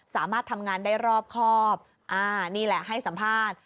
สามารถทำงานได้รอบครอบอ่านี่แหละให้สัมภาษณ์